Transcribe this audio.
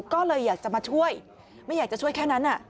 ก็เลยอยากจะมาช่วยไม่อยากจะช่วยแค่นั้น